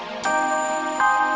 yang hitam si purr